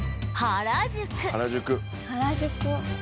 「原宿」